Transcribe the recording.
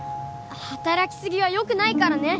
働き過ぎは良くないからね！